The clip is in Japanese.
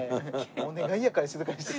「お願いやから静かにして」。